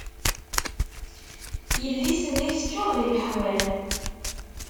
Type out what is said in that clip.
Yelli-s-nni teččur d ineḥwan.